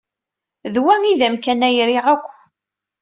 D wa ay d amkan ay riɣ akk.